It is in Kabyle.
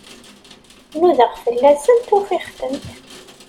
Nudaɣ fell-asent, ufiɣ-tent.